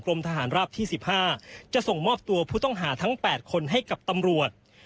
ทหารราบที่๑๕จะส่งมอบตัวผู้ต้องหาทั้ง๘คนให้กับตำรวจ